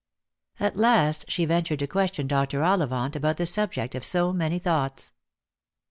At last she ventured to question Dr. Ollivant about the subject of so many thoughts.